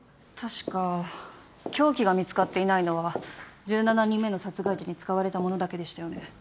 確か凶器が見つかっていないのは１７人目の殺害時に使われたものだけでしたよね。